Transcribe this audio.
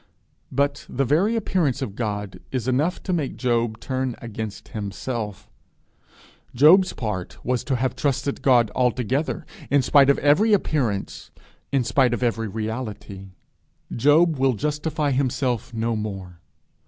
But the very appearance of God is enough to make Job turn against himself: his part was to have trusted God altogether, in spite of every appearance, in spite of every reality! He will justify himself no more.